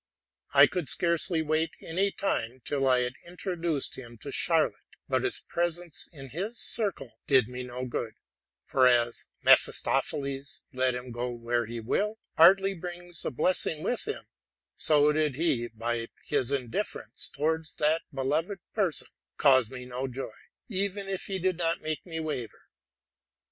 I could scarcely wait any time, till I had introduced him to Charlotte ; but his presence in this circle did me no good : for as Mephistopheles, let him go where he will, hardly bri ings a blessing with him; so did he, by his indifference tow ards that beloved person, cause me no joy, even if he did not make me waver.